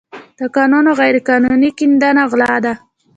د کانونو غیرقانوني کیندنه غلا ده.